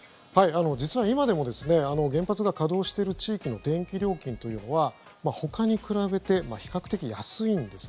実は今でも原発が稼働している地域の電気料金というのはほかに比べて比較的安いんです。